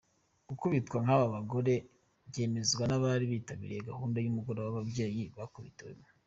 Gukubitwa kw’aba bagore byemezwa n’abari bitabiriye gahunda y’umugoroba w’ababyeyi bakubitiwemo.